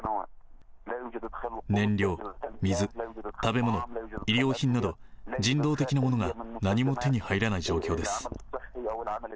燃料、水、食べ物、医療品など、人道的なものが何も手に入らない状況です。